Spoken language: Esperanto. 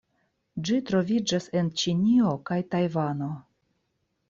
Ĝi troviĝas en Ĉinio kaj Tajvano.